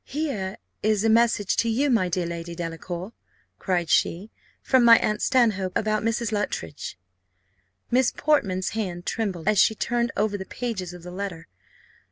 "Here is a message to you, my dear Lady Delacour," cried she, "from my aunt Stanhope, about about Mrs. Luttridge." Miss Portman's hand trembled as she turned over the pages of the letter.